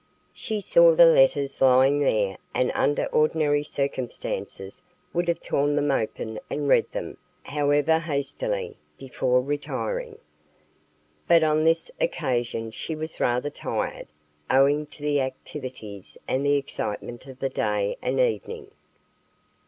She saw the letters lying there and under ordinary circumstances would have torn them open and read them, however hastily, before retiring. But on this occasion she was rather tired, owing to the activities and the excitement of the day and evening.